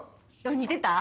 似てた？